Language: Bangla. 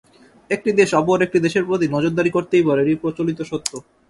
একটি দেশ অপর একটি দেশের প্রতি নজরদারি করতেই পারে, এটি প্রচলিত সত্য।